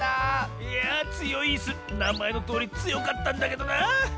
いやつよいいすなまえのとおりつよかったんだけどな！